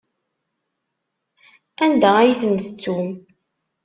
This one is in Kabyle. Anda ay ten-tettum?